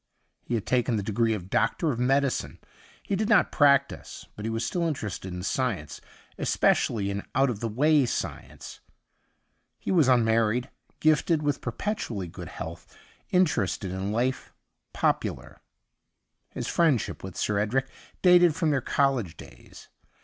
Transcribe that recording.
He had taken the degree of Doctor of Medicine ; he did not practise, but he was still interested in science, especially in out of the way science. He was unmarried, gifted with per • petually good health, interested in life, popular. His friendship with Sir Edric dated from their college days.